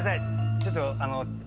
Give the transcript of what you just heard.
ちょっとあの。